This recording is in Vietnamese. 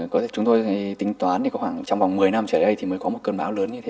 chúng tôi tính toán thì khoảng trong vòng một mươi năm trở lại đây thì mới có một cơn bão lớn như thế